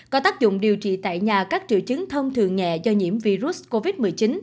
có tác dụng điều trị tại nhà các triệu chứng thông thường nhẹ do nhiễm virus covid một mươi chín